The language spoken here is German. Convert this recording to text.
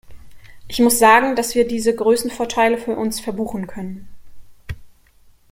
Ich muss sagen, dass wir diese Größenvorteile für uns verbuchen können.